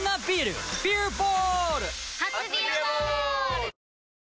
初「ビアボール」！